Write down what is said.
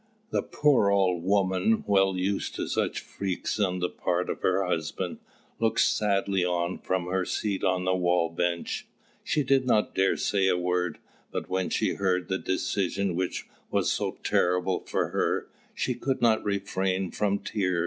The poor old woman, well used to such freaks on the part of her husband, looked sadly on from her seat on the wall bench. She did not dare say a word; but when she heard the decision which was so terrible for her, she could not refrain from tears.